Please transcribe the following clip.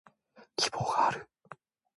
希望がある